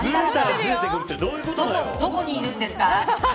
どこにいるんですか。